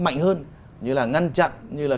mạnh hơn như là ngăn chặn như là